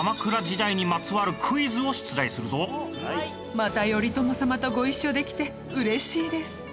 また頼朝様とご一緒できて嬉しいです。